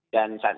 dan saat ini